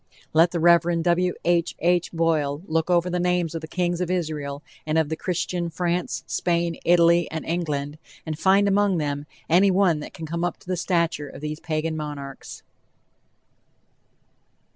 Let the Rev. W. H. H. Boyle look over the names of the kings of Israel and of Christian France, Spain, Italy and England, and find among them any one that can come up to the stature of these Pagan monarchs.